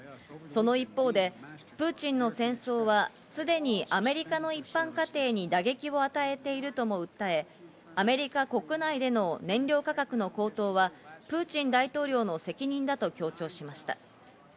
その一方でプーチンの戦争はすでにアメリカの一般家庭に打撃を与えるとも訴え、アメリカ国内での燃料価格の高騰は、プーチン大統領の責任だと強調しました。